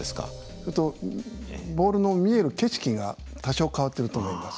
それとボールの見える景色が多少変わってると思います。